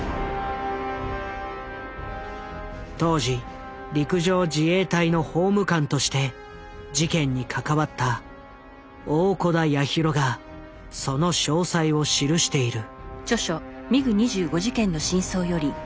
当時陸上自衛隊の法務官として事件に関わった大小田八尋がその詳細を記している。